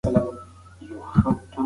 زه د هندې فیلمونو سره علاقه یا شوق لرم.